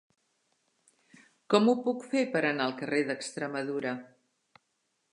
Com ho puc fer per anar al carrer d'Extremadura?